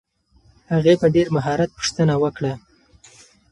هغې په ډېر مهارت پوښتنه وکړه.